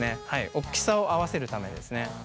大きさを合わせるためですね。